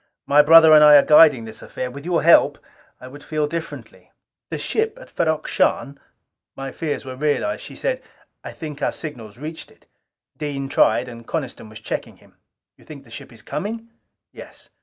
My brother and I are guiding this affair. With your help, I would feel differently." "The ship at Ferrok Shahn " My fears were realized. She said, "I think our signals reached it. Dean tried and Coniston was checking him." "You think the ship is coming?" "Yes."